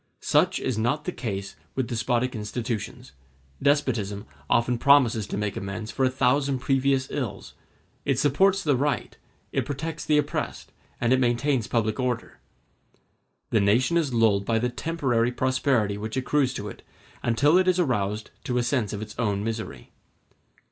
Such is not the case with despotic institutions: despotism often promises to make amends for a thousand previous ills; it supports the right, it protects the oppressed, and it maintains public order. The nation is lulled by the temporary prosperity which accrues to it, until it is roused to a sense of its own misery.